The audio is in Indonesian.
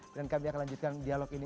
dan kami akan lanjutkan dialog ini